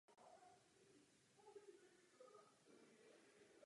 Toto označení bylo už běžně užíváno jako zkrácený název organizace.